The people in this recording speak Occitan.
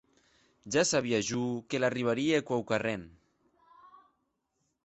Ja sabia jo que l’arribarie quauquarren!